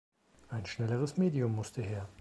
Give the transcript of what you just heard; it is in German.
Ein schnelleres Medium musste her.